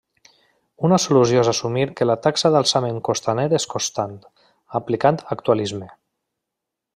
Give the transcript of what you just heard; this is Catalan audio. Una solució és assumir que la taxa d'alçament costaner és constant, aplicant actualisme.